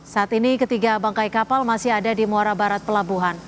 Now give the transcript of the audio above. saat ini ketiga bangkai kapal masih ada di muara barat pelabuhan